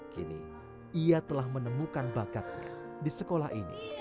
kini ia telah menemukan bakatnya di sekolah ini